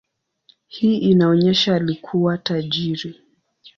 Hii inaonyesha alikuwa tajiri.